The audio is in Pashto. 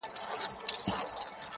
• و عسکرو تې ول ځئ زموږ له کوره..